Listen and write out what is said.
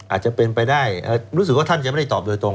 อาจจะเป็นไปได้รู้สึกว่าท่านยังไม่ได้ตอบโดยตรง